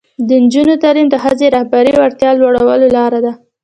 د نجونو تعلیم د ښځو رهبري وړتیا لوړولو لاره ده.